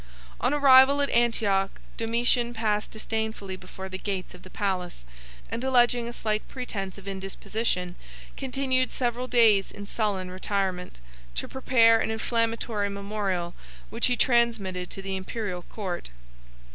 On his arrival at Antioch, Domitian passed disdainfully before the gates of the palace, and alleging a slight pretence of indisposition, continued several days in sullen retirement, to prepare an inflammatory memorial, which he transmitted to the Imperial court.